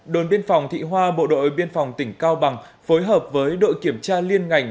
đồn biên phòng thị hoa bộ đội biên phòng tỉnh cao bằng phối hợp với đội kiểm tra liên ngành